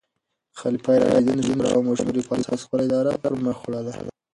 خلفای راشدین د شورا او مشورې په اساس خپله اداره پر مخ وړله.